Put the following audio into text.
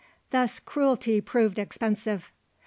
Thus cruelty proved expensive.